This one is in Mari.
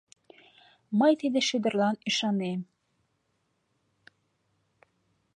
Мый тиде шӱдырлан ӱшанем.